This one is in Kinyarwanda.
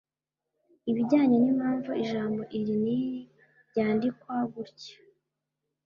ibijyanye n'impamvu ijambo iri n'iri ryandikwa gutya